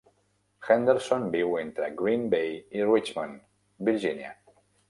Henderson viu entre Green Bay i Richmond, Virginia.